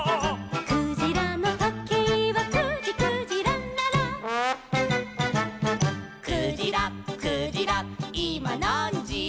「クジラのとけいは９じ９じららら」「クジラクジラいまなんじ」